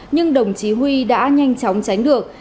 nhưng đồng chí huy đã nhanh chóng tránh được